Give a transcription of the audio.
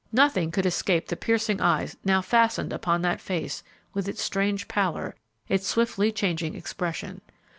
Nothing could escape the piercing eyes now fastened upon that face with its strange pallor, its swiftly changing expression.